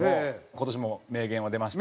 今年も名言は出ました。